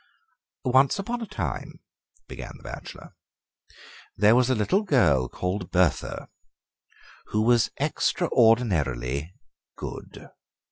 "Once upon a time," began the bachelor, "there was a little girl called Bertha, who was extraordinarily good."